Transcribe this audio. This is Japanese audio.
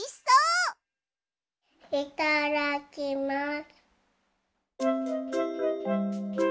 いただきます。